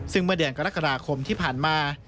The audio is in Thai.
ซึ่งเมื่อเดือนกรกฎาคมที่ผ่านมา